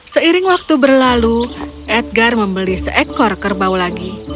seiring waktu berlalu edgar membeli seekor kerbau lagi